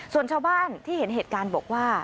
ส่วนชาวบ้านที่เห็นเหตุการณ์บอกว่า